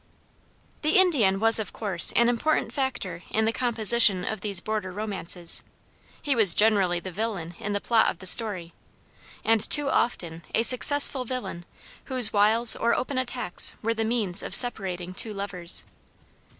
The Indian was of course an important factor in the composition of these border romances. He was generally the villain in the plot of the story, and too often a successful villain whose wiles or open attacks were the means of separating two lovers.